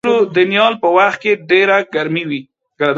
د شولو د نیال په وخت کې ډېره ګرمي وي.